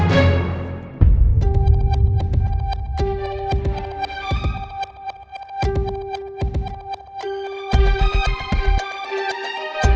tidak ada yang bisa dipercaya